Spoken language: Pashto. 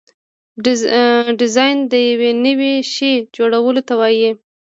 ډیزاین د یو نوي شي جوړولو ته وایي.